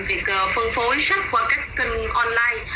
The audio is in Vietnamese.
việc phân phối sách qua các kênh online